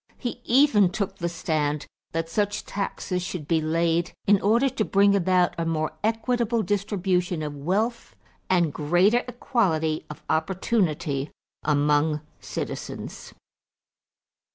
He even took the stand that such taxes should be laid in order to bring about a more equitable distribution of wealth and greater equality of opportunity among citizens.